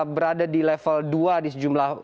berada di level dua di sejumlah